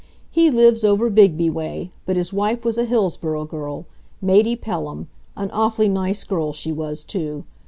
He lives over Bigby way, but his wife was a Hillsboro girl, Matey Pelham—an awfully nice girl she was, too.